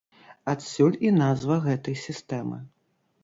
Адсюль і назва гэтай сістэмы.